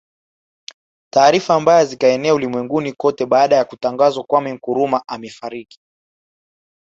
Taarifa mbaya zikaenea ulimwenguni kote baada ya Kutangazwa Kwame Nkrumah Amefariki